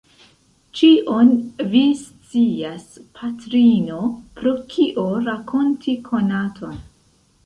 Ĉion vi scias, patrino, pro kio rakonti konaton?